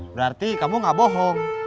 berarti kamu gak bohong